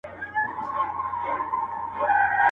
صبر په هر څه کي په کار دی.